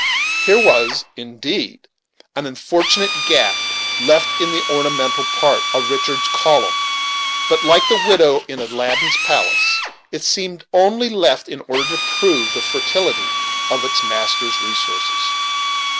Here was, indeed, an unfortunate gap left in the ornamental part of Richard's column; but, like the window in Aladdin's palace, it seemed only left in order to prove the fertility of its master's resources.